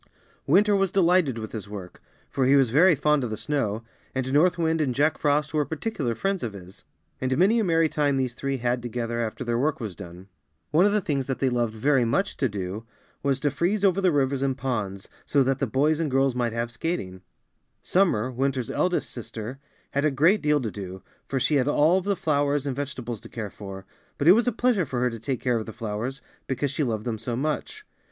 Winter was delighted with his work, for he was very fond of the snow, and North Wind and Jack Frost were particular friends of his; and many a merry time these three had together after their work was done. One of the things that they loved very much to do 18 FATHER TIME AND HIS CHILDREN. was to freeze over the rivers and ponds, so that the boys and girls might have skating. Summer, Winter^s eldest sister, had a great deal to do, for she had all of the flowers and vegetables to care for; but it was a pleasure for her to take care of the flowers, because she loved them so much.